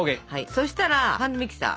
そしたらハンドミキサー。